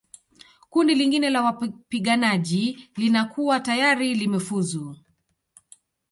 Kundi lingine la wapiganaji linakuwa tayari limefuzu